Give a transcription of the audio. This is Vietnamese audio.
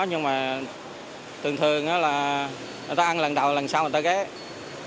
nhưng mà thường thường là người ta ăn lần đầu lần sau người ta ghé